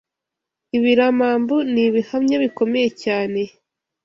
ibiramambu ni ibihamya bikomeye cyane